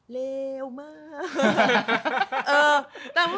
เลวมาก